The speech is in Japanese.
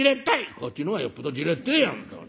「こっちの方がよっぽどじれってえや本当に。